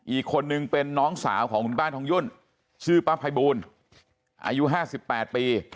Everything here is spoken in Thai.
อีกคนนึงเป็นน้องสาวของคุณป้าทองยุ่นชื่อป้าภัยบูลอายุ๕๘ปี